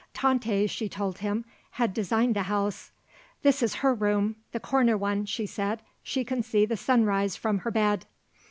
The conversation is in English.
Tante, she told him, had designed the house. "That is her room, the corner one," she said. "She can see the sunrise from her bed."